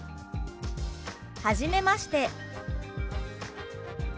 「はじめまして」。